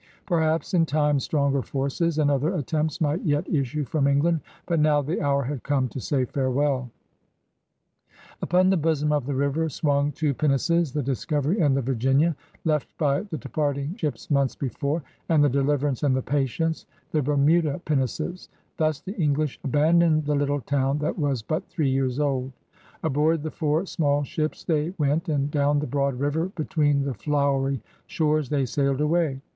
Perhaps in time stronger forces and other attempts might yet issue from En^and. But now the hour had come to say farewell ! Upon the bosom of the river swung two pinnaces, the Discovery and the Virginia^ left by the depart ing ships months before, and the Deliverance and the Patience, the Bermuda pinnaces. Thus the English abandoned the little town that was but three years old. Aboard the four small ships they went, and down the broad river, between the flowery shores, they sailed away.